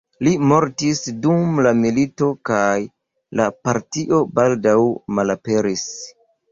Li mortis dum la milito, kaj la partio baldaŭ malaperis.